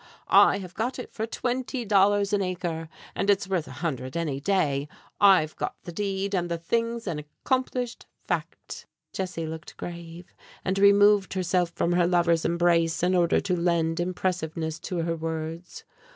"I have got it for twenty dollars an acre, and it's worth a hundred any day! I've got the deed, and the thing's an accomplished fact." Jessie looked grave, and removed herself from her lover's embrace in order to lend impressiveness to her words.